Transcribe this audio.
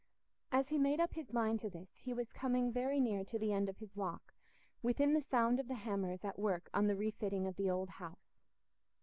As he made up his mind to this, he was coming very near to the end of his walk, within the sound of the hammers at work on the refitting of the old house.